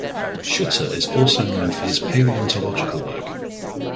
Scheuchzer is also known for his paleontological work.